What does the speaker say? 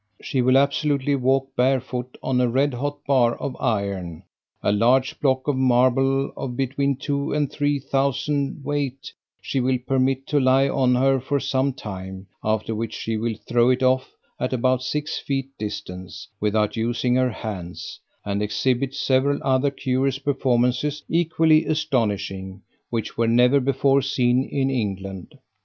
She will absolutely walk, barefoot, on a red hot bar of iron: a large block of marble of between two and three thousand weight she will permit to lie on her for some time, after which she will throw it off at about six feet distance, without using her hands, and exhibit several other curious performances, equally astonishing, which were never before seen in England.